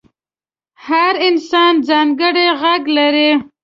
هر انسان ځانګړی غږ لري.